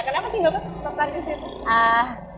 kenapa sih mbak putri